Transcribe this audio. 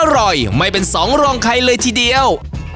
อร่อยไม่เป็นสองรองใครเลยทีเดียว